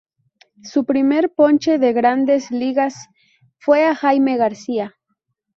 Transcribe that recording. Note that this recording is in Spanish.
Su primer ponche de Grandes Ligas fue a Jaime García.